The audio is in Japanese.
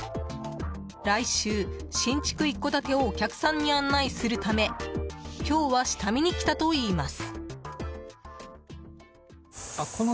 来週、新築一戸建てをお客さんに案内するため今日は下見に来たといいます。